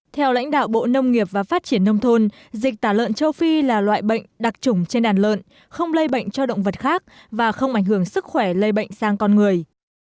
theo lãnh đạo bộ nông nghiệp và phát triển nông thôn dịch tả lợn châu phi là loại bệnh đặc trùng trên đàn lợn không lây bệnh cho động vật khác và không ảnh hưởng sức khỏe lây bệnh sang con người